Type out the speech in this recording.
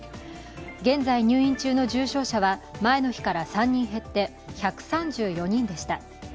現在入院中の重症者は前の日から３人減って１３４人でした。